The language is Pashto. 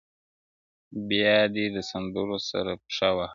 بيا دې د سندرو سره پښه وهمه